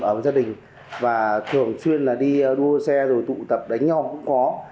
ở gia đình và thường xuyên là đi đua xe rồi tụ tập đánh nhau cũng có